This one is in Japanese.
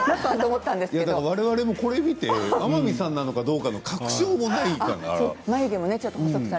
われわれもこれを見て天海さんかどうかの確証もないから。